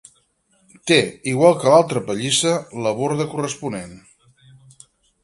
Té, igual que l'altra pallissa, la borda corresponent.